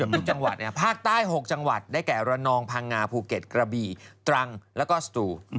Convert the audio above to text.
ทุกจังหวัดภาคใต้๖จังหวัดได้แก่ระนองพังงาภูเก็ตกระบี่ตรังแล้วก็สตู